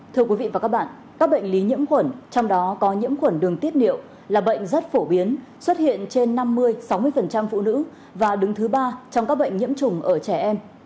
thưa quý vị và các bạn các bệnh lý nhiễm khuẩn trong đó có nhiễm khuẩn đường tiết niệu là bệnh rất phổ biến xuất hiện trên năm mươi sáu mươi phụ nữ và đứng thứ ba trong các bệnh nhiễm trùng ở trẻ em